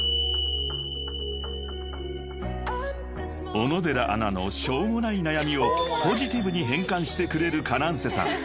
［小野寺アナのしょうもない悩みをポジティブに変換してくれるＫａｎａｎｃＥさん］